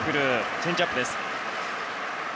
チェンジアップでした。